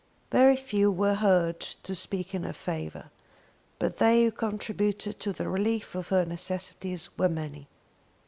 Very few were heard to speak in her favour, but they who contributed to the relief of her necessities were many.